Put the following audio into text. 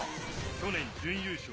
去年、準優勝。